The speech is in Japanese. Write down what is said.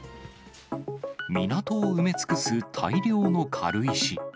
港を埋め尽くす大量の軽石。